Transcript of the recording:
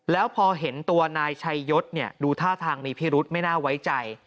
แล้วพอเห็นตัวนายชัยยศดูท่าทางมีพิรุษไม่น่าไว้ใจ